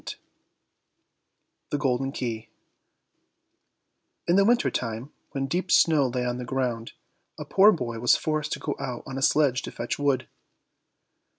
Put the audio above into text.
200 The Golden Key In the winter time, when deep snow lay on the ground, a poor boy was forced to go out on a sledge to fetch wood.